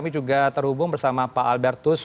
kami juga terhubung bersama pak albertus